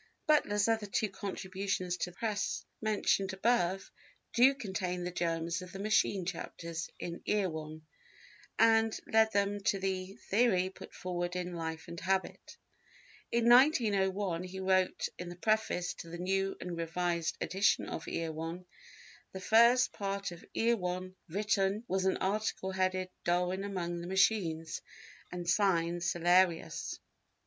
Butler's other two contributions to the Press mentioned above do contain the germs of the machine chapters in Erewhon, and led him to the theory put forward in Life and Habit. In 1901 he wrote in the preface to the new and revised edition of Erewhon: "The first part of Erewhon written was an article headed Darwin among the Machines and signed 'Cellarius.